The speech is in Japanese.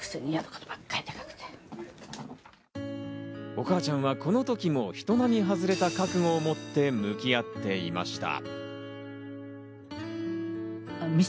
お母ちゃんはこの時も人並み外れた覚悟を持って向き合っていました。